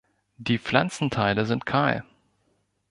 Die Pflanzenteile sind kahl.